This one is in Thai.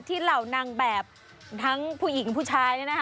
ที่เหล่านางแบบทั้งผู้หญิงผู้ชายนี่นะคะ